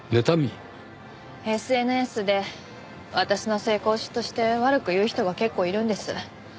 ＳＮＳで私の成功を嫉妬して悪く言う人が結構いるんです。